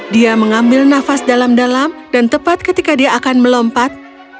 dia mengambil nafas dalam dalam dan tepat ketika dia akan melompat